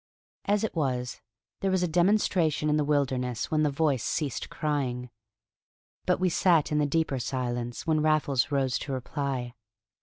As it was, there was a demonstration in the wilderness when the voice ceased crying. But we sat in the deeper silence when Raffles rose to reply.